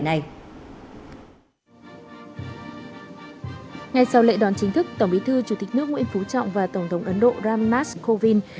ngay sau lễ đón chính thức tổng bí thư chủ tịch nước nguyễn phú trọng và tổng thống ấn độ ramars kovind